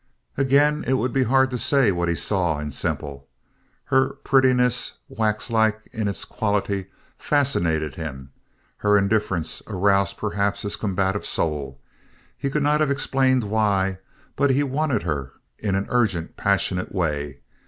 Again, it would be hard to say what he saw in Semple. Her prettiness, wax like in its quality, fascinated him; her indifference aroused perhaps his combative soul. He could not have explained why, but he wanted her in an urgent, passionate way.